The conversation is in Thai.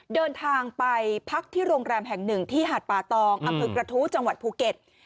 เดินทางไปพักที่โรงแรมแห่งหนึ่งที่หาดป่าตองอำเภอกระทู้จังหวัดภูเก็ต